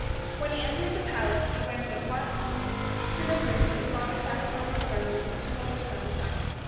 When he entered the palace he went at once to the room where his father sat upon his throne with his two elder sons by him.